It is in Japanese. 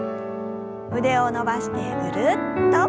腕を伸ばしてぐるっと。